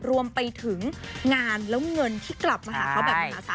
รวมไปถึงงานแล้วเงินที่กลับมาหาเขาแบบมหาศาล